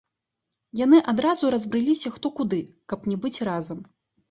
Яны адразу разбрыліся хто куды, каб не быць разам.